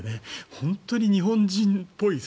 本当に日本人っぽい。